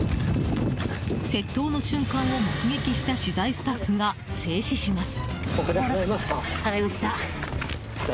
窃盗の瞬間を目撃した取材スタッフが制止します。